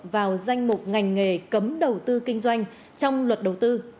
vào danh mục ngành nghề cấm đầu tư kinh doanh trong luật đầu tư